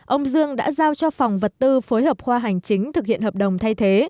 ông dương đã giao cho phòng vật tư phối hợp khoa hành chính thực hiện hợp đồng thay thế